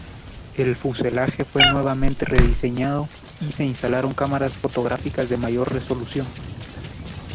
El fuselaje fue nuevamente rediseñado y se instalaron cámaras fotográficas de mayor resolución.